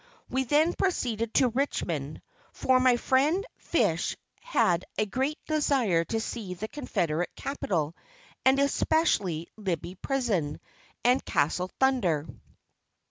We then proceeded to Richmond; for my friend Fish had a great desire to see the Confederate Capital, and especially Libby Prison, and "Castle Thunder."